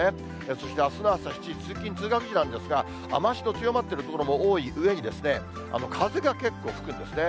そしてあすの朝７時、通勤・通学時なんですが、雨足の強まっている所も多いうえに、風が結構吹くんですね。